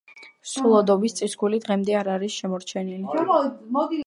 სოლოდოვის წისქვილი დღემდე არ არის შემორჩენილი.